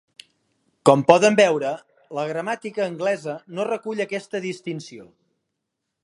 Com podem veure, la gramàtica anglesa no recull aquesta distinció.